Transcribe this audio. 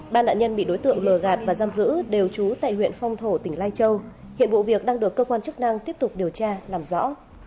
ba nạn nhân bị đối tượng lừa gạt và giam giữ đều trú tại huyện phong thổ tỉnh lai châu hiện vụ việc đang được cơ quan chức năng tiếp tục điều tra làm rõ